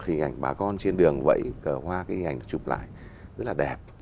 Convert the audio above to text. hình ảnh bà con trên đường vẫy cờ hoa cái hình ảnh chụp lại rất là đẹp